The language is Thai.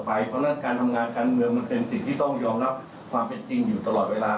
เพราะฉะนั้นการทำงานการเมืองมันเป็นสิ่งที่ต้องยอมรับความเป็นจริงอยู่ตลอดเวลา